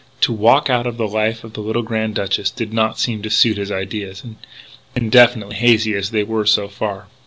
To walk out of the life of the little Grand Duchess did not seem to suit his ideas indefinite and hazy as they were, so far.